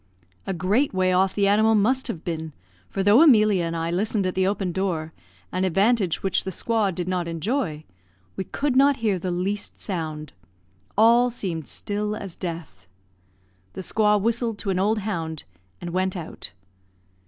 A great way off the animal must have been, for though Emilia and I listened at the open door, an advantage which the squaw did not enjoy, we could not hear the least sound: all seemed still as death. The squaw whistled to an old hound, and went out.